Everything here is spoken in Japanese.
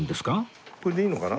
これでいいのかな？